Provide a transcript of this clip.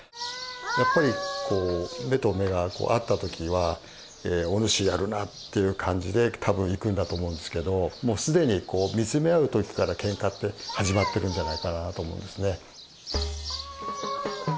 やっぱりこう目と目が合った時は「お主やるな」という感じで多分いくんだと思うんですけどもう既にこう見つめ合う時からケンカって始まってるんじゃないかなと思うんですね。